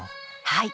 はい。